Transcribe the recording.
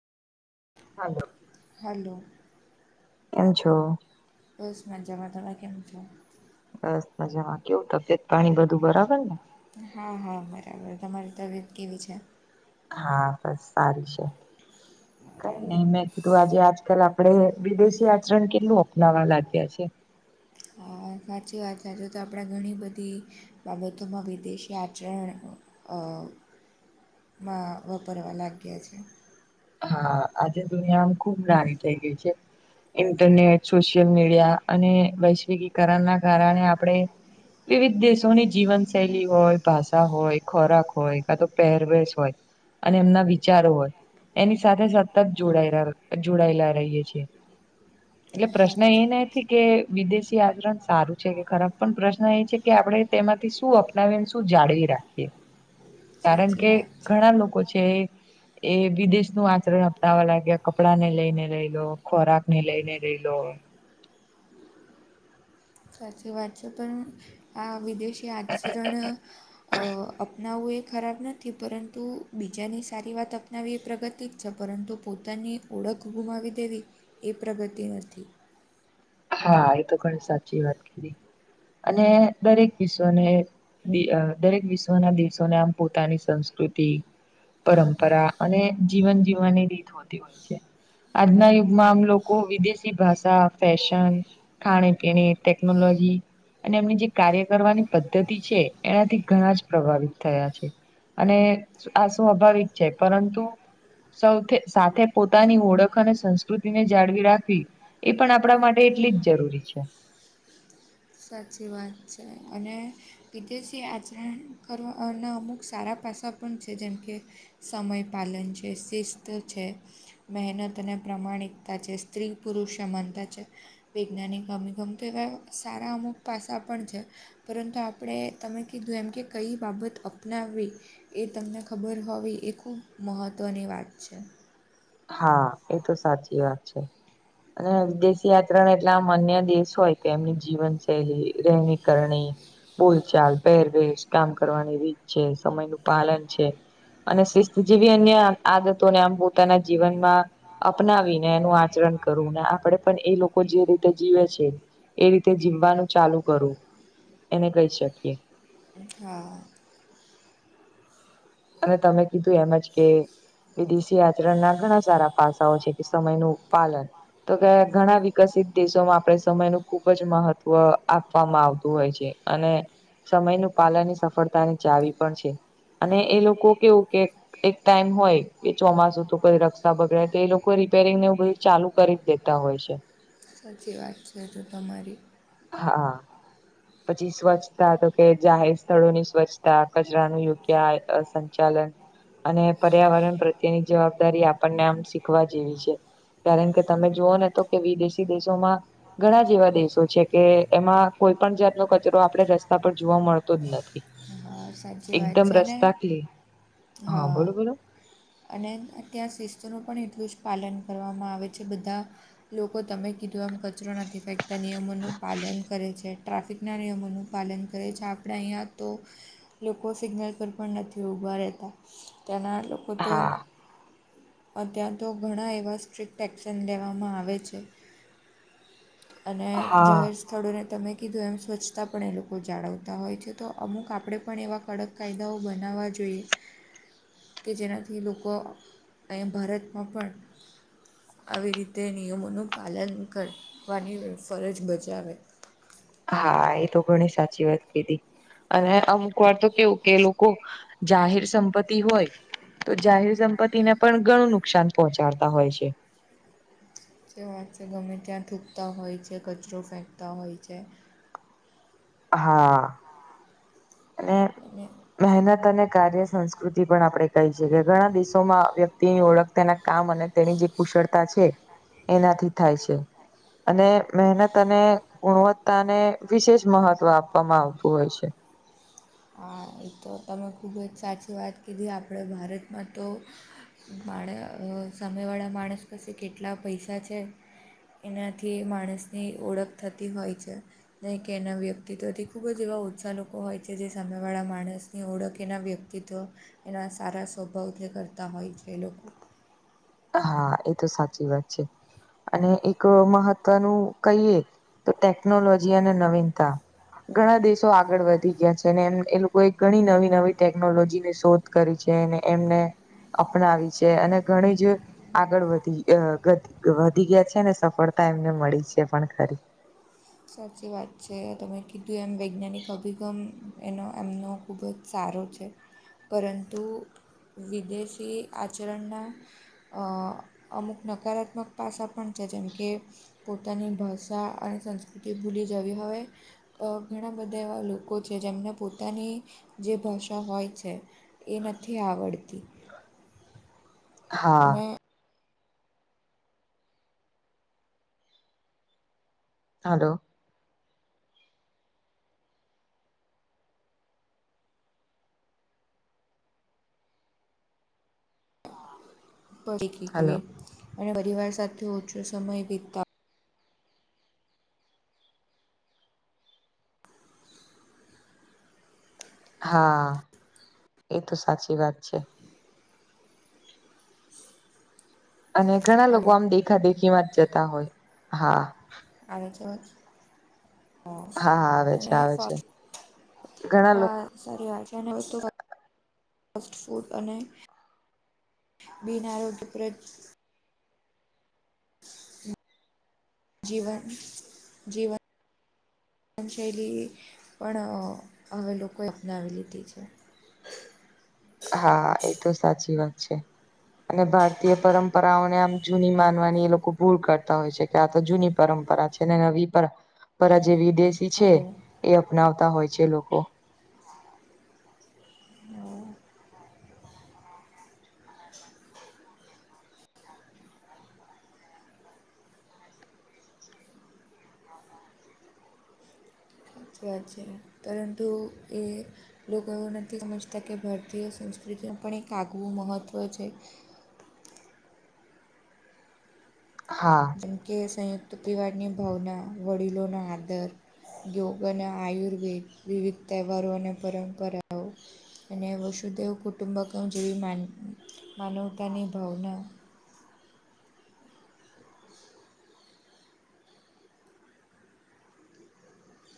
હાલો. Hello કેમ છો? બસ માજામાં તમે કેમ છો? બસ મજામાં કેવું તબિયત પાણી બધું બરાબર ને? હા હા બરાબર તમારી તબિયત કેવી છે? હા બસ સારી છે કઈ નય બરાબર મેં તો આજે આજકાલ આપણે વિદેશી આચરણ કેટલું અપનાવા લાગ્યા છે. હા સાચી વાત છે જો તો આપડા ઘણી બધી બાબતોમાં વિદેશી આચરણ અ માં વપરવા લાગ્યા છે. હા આજે દુનિયામ ખુબ નાની થઇ ગઈ છે. ઇન્ટરનેટ સોશિયલ મીડિયા અને વૈશ્વિકકરણના કારણે આપણે વિવિધ દેશોની જીવન શૈલી હોય ભાષા હોય ખોરાક હોય કા તો પહેરવેશ હોય અને એમના વિચારો હોય એની સાથે સતત જોડાય જોડાયેલા રહીએ છીએ. એટલે પ્રશ્ન સાચી એન કે વિદેશી આચરણ સારું છે કે ખરાબ પણ પ્રશ્ન એ છે કે આપણે તેમાંથી શું શું જાળવી રાખીએ. કારણ સાચી કે વાત છે ઘણા લોકો છે એ વિદેશ નું આચરણ અપનાવા લાગ્યા કપડાં ને લઈને લઈ લો ખોરાક ને લઈને લઈ લો સાચી વાત છે પણ આ વિદેશી આચરણ અપનાવવું એ ખરાબ નથી પરંતુ બીજાને સારી વાત અપનાવી એ પ્રગ તી જ છે પરંતુ પોતાની ઓળખ ગુમાવી દેવી એ પ્રગતિ નથી. હા એ તો ઘણી સાચી વાત કીધ અને દરેક વિશ્વને દે અ દરેક વિશ્વના દેશોને આમ પોતાની સંસ્કૃતિ પરંપરા અને જીવન જીવવાની રીત હોતી હોય છે. આજના યુગમાં આમ લોકો વિદેશી ભાષા ફેશ ન ખાણે પીણી ટેકનોલોજી અને એમની જે કાર્ય કરવાની પદ્ધતિ છે એનાથી ઘણા જ પ્રભાવિત થયા છે. અને આ સ્વાભાવિક છે પરંતુ સૌ સાથે પોતાની ઓળખ અને સંસ્કૃતિને જાળવી રાખવી એ પણ આપણા માટે એટલી જ જરૂરી છે સાચી વાત છે અને વિદેશી આચરણ કરવાના અમુક સારા પાસા પણ છે જેમ કે સમય પાાલન છે શિસ્ત છે મહેનત અને પ્રામાણિકતા છે સ્ત્રી પુરુષ સમાનતા છે વૈજ્ઞાાનિક ગમી ગમતું એવા સારા અમુક પાસા પણ છે પરંતુ આપણે તમે કીધું એમ કે કઈ બાબત અપનાવી એ તમને ખબર હોવી એ ખૂબ મહત્વની વાત છે હા એ તો સાચી વાત છે અને વિદેશ આચરણ એટલે આમ અન્ય દેશ હોય કે એમની જીવનશૈલી રહેણી કરણી બોલચાલ પહેરવેશ કામ કરવાની રીત છે સમય નું પાલન છે અને શિસ્ત જેવી અન્ય આદતોને આમ પોતાના જીવનમાં અપનાવીને એનું આચરણ કરવું ને આપડે પણ એ લોકો જે રીતે જીવે છે એ રીતે જીવવાનું ચાલુ કરવું એને કહી શકીએ હા અને તમે કીધું એમજ કે વિદેશી આચરણના ઘણા સારા પાસાઓ છે કે સમયનું પાલન તો કે ઘણા વિકસિત દેશોમાં આપણે સમય નું ખુબ જ મહત્વ આપવામાં આવતું હોય છે અને સમય નું પાલન ની સફળતાની ચાવી પણ છે અને એ લોકો કેવું કે એક ટાઈમ હોય કે ચોમાસું તો કોઈ રસ્તા બગડે તો એ લોકો રિપેરિંગ ને આવુ બધ ચાલુ કરી જ દેતા હોય છે સાચી વાત છે તો તમારી હા પછી સ્વચ્છતા તો કે જાહેર સ્થળોની સ્વચ્છતા કચરાનું યોગ્ય સંચાલન અને પર્યાવરણ પ્રત્યેની જવાબદારી આપણને આમ શીખવા જેવી છે કારણ કે તમે જુઓને તો કે વિદેશી દેશોમાં ઘણા જેવા દેશો છે કે એમાં કોઈ પણ જાતનો કચરો આપડે રસ્તા પર જોવા મળતો જ નથી. સાચ વાત એકદમ છેને રસ્તા ક્લી હા બોલો બોલો અને અત્યાં શિસ્તનું પણ એટલું જ પાલન કરવામાં આવે છે બધા લોકો તમે કીધું એમ કચરો નથી ફેક તે નિયમોનું પાલન કરે છે ટ્રાફિકના નિયમોનું પાલન કરે છે આપણે અહીંયા તો લોકો સિગ્નલ પર પણ નથી ઉભા રહેતા તેના લોકો તો હા અત્યાર તો ઘણા એવા સ્ટ્રિક્ટ એક્શન લેવામાં આવે છે. અને જાહેર હા સ્થળોને તમે કીધું એમ સ્વચ્છતા પણ એ લોકો જાળવતા હોય છે તો અમુક આપણે પણ એવા કડક કાયદાઓ બનાવવા જોઈએ. કે જેનાથી લોકો અહીંયા ભારતમાં પણ આવી રીતે નિયમોનું પાલન કરવાની ફરજ બજાવે. [unintelligible] હા એ તો ઘણી સાચી વાત કીધી. અને અમુક વાર તો કેવું કે એ લોકો જાહેર સંપત્તિ હોય તો જાહેર સંપત્તિને પણ ઘણું નુકસાન પહોંચાડતા હોય છે. જે વાત છે ગમે ત્યાં થૂકતા હોય છે કચરો ફેંકતા હોય છે. હા અને મહેનત અને કાર્ય સંસ્કૃતિ પણ આપણે કહી છેીએ ઘણા દેશોમાં વ્યક્તિની ઓળખ તેના કામ અને તેની જે કુશળતા છે એનાથી થાય છે. અને મહેનત અને ગુણવત્તા ને વિશેષ મહત્વ આપ હ તો બ [unintelligible] હા એ તો તમે ખૂબ જ સાચી વાત કીધી આપણે ભારતમાં તો માણ સાયવાળા માણસ પાસે કેટલા પૈસા છે. એનાથી માણસની ઓળખ થતી હોય છે નહી કે એના વ્યક્તિત્વથી ખૂબ જ એવા ઉત્સાહ લોકો હોય છે જે સામેવાળા માણસની ઓળખ એનાં વ્યક્તિત્વ એના સારા સ્વભાવ જે કરતા હોય છે એ લોકો. હા એ તો સાચી વાત છે. અને એક મહત્વનું કહીએ તો ટેકનોલોજી અને નવીનતા ઘણા દેશો આગળ વધી ગયા છે ને એમ એ લોકો કોઈ ઘણી નવી નવી ટેકનોલોજીની શોધ કરી છેને એમને અપનાવી છે અને ઘણી જ આગળ વધી વધી ગયા છે ને સફળતા એમને મળી છે પણ ખરી. સાચી વાત છે તમે કીધું એમ વૈજ્ઞાનિક અભિગમ એનો એમનો ખૂબ જ સારો છે પરંતુ વિદેશી આચરણના અમુક નકારાત્મક પાસા પણ છે જેમ કે પોતાની ભાષા અને સંસ્કૃતિ ભૂલી જવી હવે ઘણા બધા એવા લોકો છે જેમને પોતાની જે ભાષા હોય છે. એ નથી આવડતી. હા અને હલોો હલો અને પરિવાર સાથે ઓછો સમય વીતતા હા એ તો સાચી વાત છે. અને ઘણા લોકો હાલો આમ દેખા દેખી માં જ જતા હોય હા. અને કે હ હા આવે છે અનેને આવે છે વાત ઘણા હ લોકો સારી આવે છે અને વસ્ુ ફ ફૂડ અને બના રોડ ઉપર જીવન જીવન જીવન શૈલી પણ હવે લોકોએ અપનાવી લીધી છે. હા એ તો સાચી વાત છે. અને ભારતીય પરંપરાઓને આમ જૂની માનવાની એ લોકો ભૂલ કરતા હોય છે. આ તો જૂની પરંપરા છે ને નવી પરંપરા પર આ જે વિદેશી છે હલો એ અપનાવતા હોય છે લોકો હમ સાચી વાત છે પરંતુ એ લોકો એવું નથી સમજતા કે ભારતીય સંસ્કૃતિનું પણ એક આગવું મહત્ત્વ છે. હા જેમકે સંયુક્ત પરિવારની ભાવના, વડીલોનો આદર, યોગ અને આયુર્વેદ વિવિધ તહેવારો અને પરંપરાઓ અને વસુદેવ કુટુંબક જેવી માનવતાની ભાવના